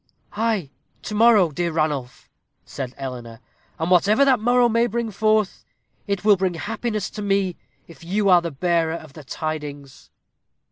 "Ay, to morrow, dear Ranulph," said Eleanor; "and whatever that morrow may bring forth, it will bring happiness to me, if you are bearer of the tidings."